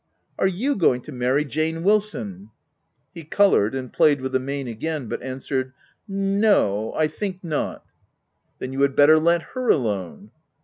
" Are you going to marry Jane Wilson ?" He coloured, and played with the mane again, but answered, —" No, I think not." " Then you had better let her alone."